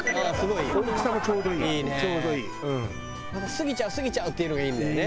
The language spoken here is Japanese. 「過ぎちゃう！過ぎちゃう！」っていうのがいいんだよね。